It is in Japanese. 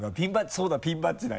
そうだピンバッジだ！